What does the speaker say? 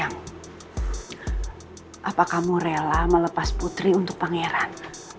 apa kamu rela melepas putri untuk pangeran